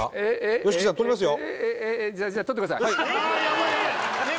ＹＯＳＨＩＫＩさん取りますよ